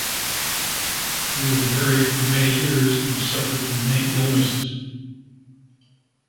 He was married for many years, and suffered from many illnesses.